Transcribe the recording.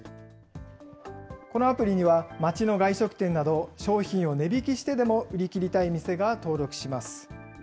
このアプリには街の外食店など商品を値引きしてでも売りきりたい店が登録します。